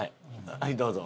はいどうぞ。